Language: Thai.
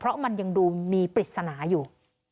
เพราะมันยังดูมีปริศนาอยู่